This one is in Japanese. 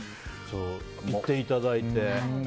言っていただいて。